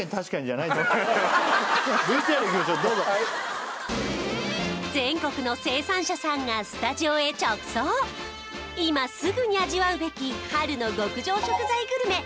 はい全国の生産者さんがスタジオへ直送今すぐに味わうべき春の極上食材グルメ